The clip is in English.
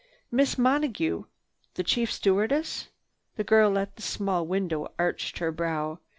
"Miss Monague, the chief stewardess?" The girl at the small window arched her brow.